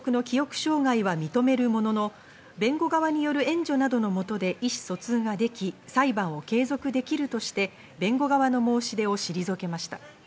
障害は認めるものの、弁護側による援助などのもとで意思疎通ができ、裁判を継続できるとして、弁護側の申し出を退けました。